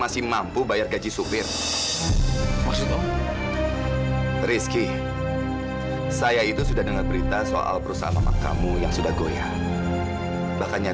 sampai jumpa di video selanjutnya